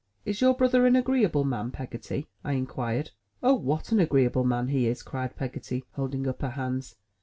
Is your brother an agreeable man, Peggotty?" I inquired. "Oh what an agreeable man he is!" cried Peggotty, holding up her hands.